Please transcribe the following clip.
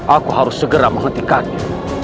aku harus segera menghentikannya